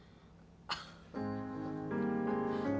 あっ。